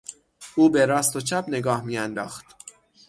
او به راست و چپ نگاه میانداخت.